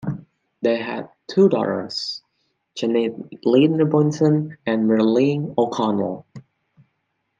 They had two daughters, Jeannette Lyng Robinson and Marylin Lyng O'Connell.